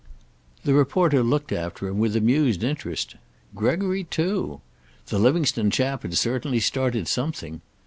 The reporter looked after him with amused interest. Gregory, too! The Livingstone chap had certainly started something.